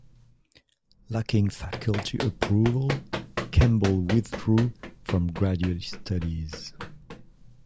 Lacking faculty approval, Campbell withdrew from graduate studies.